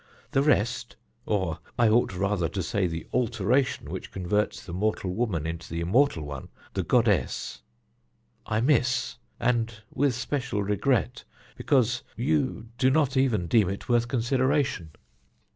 The rest or I ought rather to say the alteration which converts the mortal woman into the immortal one, the goddess I miss, and with special regret, because you do not even deem it worth consideration."